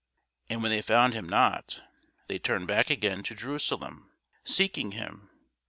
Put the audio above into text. And when they found him not, they turned back again to Jerusalem, seeking him.